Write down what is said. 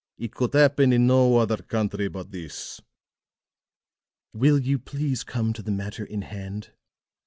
It could happen in no other country but this." "Will you please come to the matter in hand?"